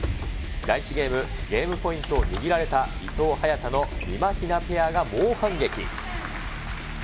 第１ゲーム、ゲームポイントを握られた伊藤・早田のみまひなペアが猛反撃。